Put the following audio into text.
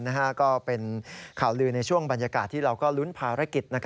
ก็เป็นข่าวลือในช่วงบรรยากาศที่เราก็ลุ้นภารกิจ